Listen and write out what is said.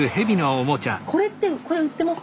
これってこれ売ってます？